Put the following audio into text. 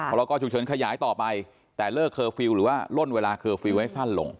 พอเราก็ถูกเฉินขยายต่อไปแต่ลดเวลาเคอร์ฟิลให้สั้นลง